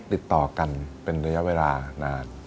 ติดต่อกันเป็นระยะเวลานาน